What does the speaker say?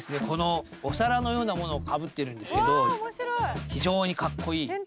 このお皿のようなものをかぶってるんですけど非常にかっこいい。